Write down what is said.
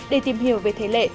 để tìm hiểu về thế lệ